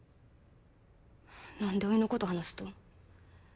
何でおいのこと話すと？